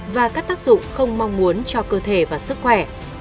và các tác dụng không mong muốn cho cơ thể và sức khỏe